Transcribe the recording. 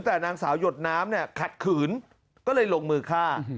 แต่นางสาวหยดน้ำเนี่ยขัดขืนก็เลยลงมือฆ่า